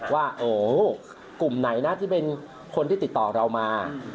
ว่าโอ้กลุ่มไหนนะที่เป็นคนที่ติดต่อเรามา